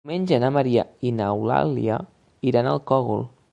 Diumenge na Maria i n'Eulàlia iran al Cogul.